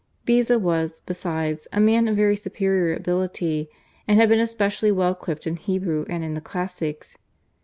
Beza was, besides, a man of very superior ability, and had been especially well equipped in Hebrew and in the classics.